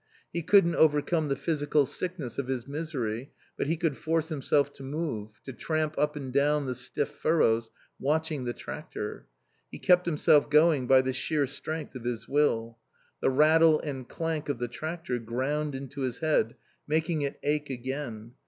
He couldn't overcome the physical sickness of his misery, but he could force himself to move, to tramp up and down the stiff furrows, watching the tractor; he kept himself going by the sheer strength of his will. The rattle and clank of the tractor ground into his head, making it ache again.